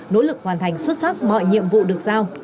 nỗ lực hoàn thành xuất sắc mọi nhiệm vụ được giao